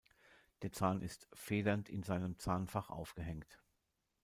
Der Zahn ist „federnd“ in seinem Zahnfach aufgehängt.